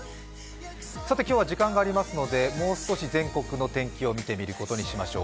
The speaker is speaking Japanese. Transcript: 今日は時間がありますのでもう少し全国の天気を見てみることにしましょう。